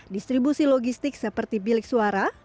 distribusi logistik seperti bilik suara